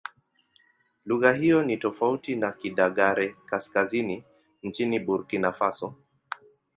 Lugha hiyo ni tofauti na Kidagaare-Kaskazini nchini Burkina Faso.